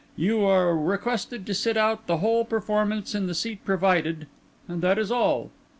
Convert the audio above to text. You are requested to sit out the whole performance in the seat provided, and that is all."